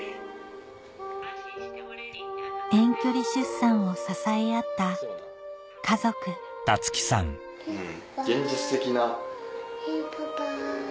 遠距離出産を支え合った家族結心ちゃん！